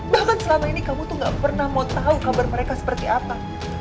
bahkan selama ini kamu tuh gak pernah mau tahu kabar mereka seperti apa